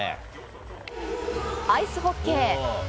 アイスホッケー。